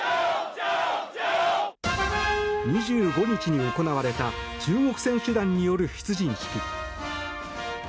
２５日に行われた中国選手団による出陣式。